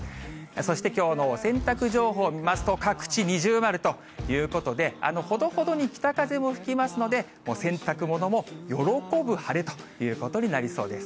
そしてきょうのお洗濯情報を見ますと、各地二重丸ということで、ほどほどに北風も吹きますので、洗濯物も喜ぶ晴れということになりそうです。